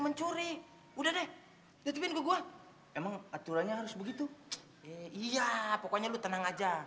mencuri udah deh tutupin gue emang aturannya harus begitu iya pokoknya lu tenang aja